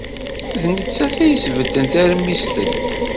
D nettat ay d-yesbedden taṛmist-nni.